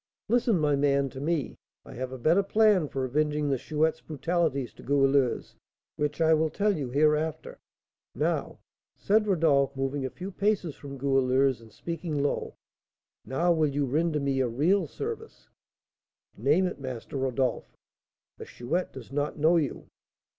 "Listen, my man, to me; I have a better plan for avenging the Chouette's brutalities to Goualeuse, which I will tell you hereafter. Now," said Rodolph, moving a few paces from Goualeuse, and speaking low, "Now, will you render me a real service?" "Name it, Master Rodolph." "The Chouette does not know you?"